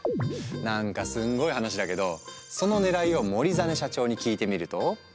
なんかすんごい話だけどそのねらいを森實社長に聞いてみると。